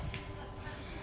hantu rumah rumah